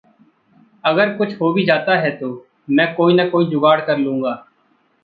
अगर कुछ हो भी जाता है तो मैं कोई-न-कोई जुगाड़ कर लूँगा।